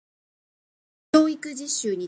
教育実習について